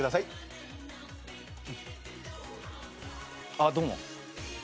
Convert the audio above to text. あっどうも。